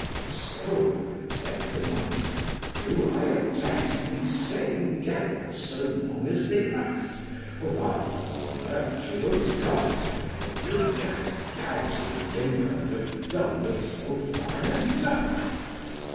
So, said the monk, do I attest these same devils so long as they last, or rather, virtue (of) G , what could that gouty limpard have done with so fine a dog?